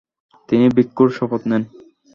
তিনি ভিক্ষুর শপথ নেন।